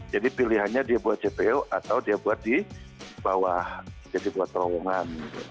jadi pilihannya dia buat jpo atau dia buat di bawah jadi buat terowongan